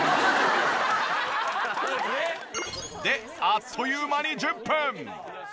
であっという間に１０分。